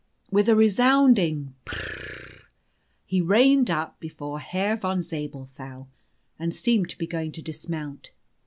With a resounding "P r r r r r r!" he reined up before Herr von Zabelthau, and seemed to be going to dismount.